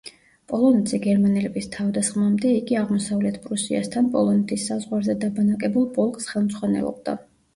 პოლონეთზე გერმანელების თავდასხმამდე იგი აღმოსავლეთ პრუსიასთან პოლონეთის საზღვარზე დაბანაკებულ პოლკს ხელმძღვანელობდა.